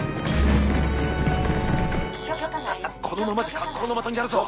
このままじゃ格好の的になるぞ。